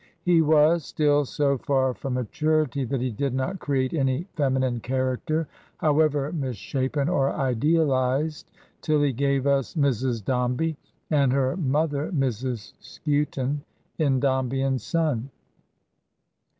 He was still so far from maturity that he did not create any fem inine character (however misshapen or idealized) till he gave us Mrs. Dombey and her mother, Mrs. Skewton, in " Dombey and Son."